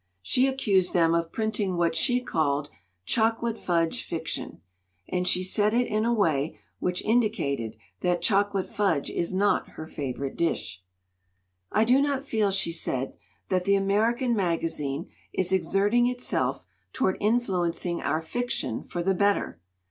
She accused them of printing what she called "chocolate fudge" fiction. And she said it in a way which indicated that chocolate fudge is not her favorite dish. 16 241 LITERATURE IN THE MAKING "I do not feel," she said, "that the American magazine is exerting itself toward influencing our fiction for the better.